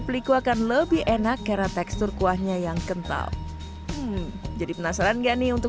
peliku akan lebih enak karena tekstur kuahnya yang kental jadi penasaran nggak nih untuk